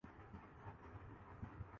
لاہور کی مثال لے لیں، ایک وقت تھا۔